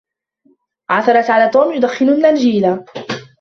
عثرت عل توم يدخن النرجيلة.